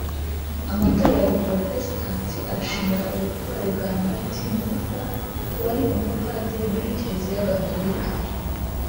Amatorero ya giporotesitanti arishimira ubutwari bwa Martin Luther wari umupadiri muri Kiliziya Gatolika